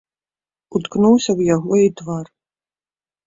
Уткнуўся ў яго і твар.